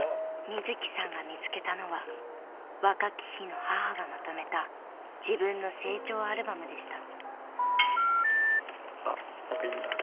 ［みずきさんが見つけたのは若き日の母がまとめた自分の成長アルバムでした］